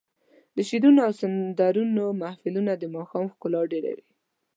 د شعرونو او سندرو محفلونه د ماښام ښکلا ډېروي.